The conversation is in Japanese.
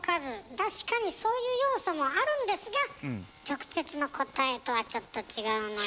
確かにそういう要素もあるんですが直接の答えとはちょっと違うのよ。